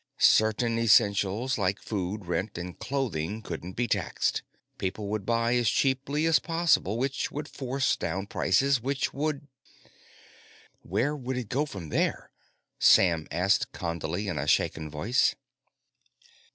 Certainly essentials like food, rent, and clothing couldn't be taxed. People would buy as cheaply as possible, which would force down prices. Which would "Where would it go from there?" Sam asked Condley in a shaken voice.